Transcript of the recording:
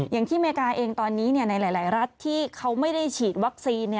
อเมริกาเองตอนนี้ในหลายรัฐที่เขาไม่ได้ฉีดวัคซีน